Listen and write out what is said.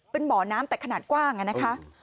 เป็นบ่อน้ำแต่ขนาดกว้างนะคะ